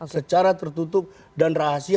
secara tertutup dan rahasia